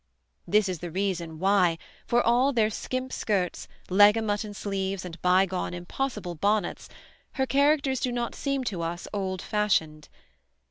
This is the reason why, for all their skimp skirts, leg of mutton sleeves, and bygone impossible bonnets, her characters do not seem to us old fashioned.